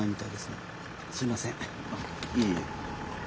いえいえ。